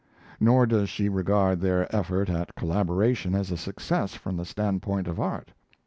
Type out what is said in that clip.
Nor does she regard their effort at collaboration as a success from the standpoint of art.